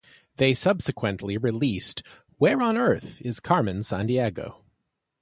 They subsequently released Where on Earth Is Carmen Sandiego?